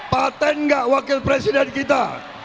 patent nggak wakil presiden kita